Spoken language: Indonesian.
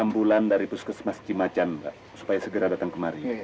jangan lupa pak